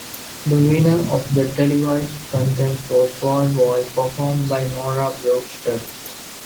The winner of the televised contest was "Voi Voi", performed by Nora Brockstedt.